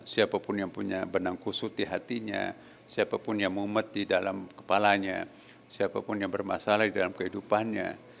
siapapun yang punya benang kusut di hatinya siapapun yang memetih dalam kepalanya siapapun yang bermasalah di dalam kehidupannya